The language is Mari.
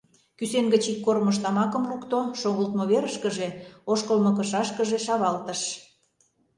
Кӱсен гыч ик кормыж тамакым лукто, шогылтмо верышкыже, ошкылмо кышашкыже шавалтыш.